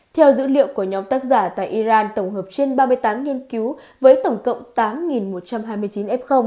theo dữ liệu của nhóm tác giả tại iran tổng hợp trên ba mươi tám nghiên cứu với tổng cộng tám một trăm hai mươi chín f